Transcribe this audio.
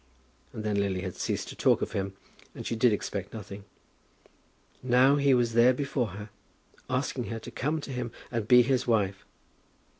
And then Lily had ceased to talk of him, and she did expect nothing. Now he was there before her, asking her to come to him and be his wife.